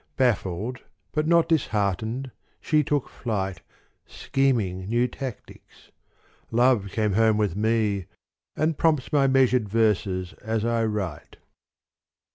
Baffled but not disheartened she took flight, Scheming new tactics : Love came home with me And prompts my measured verses as I write.